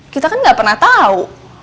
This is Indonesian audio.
kita kan gak pernah tahu